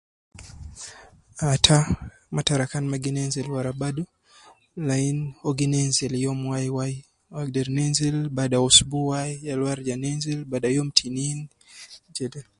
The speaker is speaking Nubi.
Ata matara kan ma gi nenzil warabadu lain uwo gi nenzil youm wai wai, uwo agder nenzil bada ousbu wai yala uwo arija nenzil bada youm tinin jede